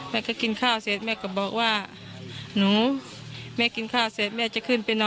แม่ก็กินข้าวเสร็จแม่ก็บอกว่าหนูแม่กินข้าวเสร็จแม่จะขึ้นไปนอน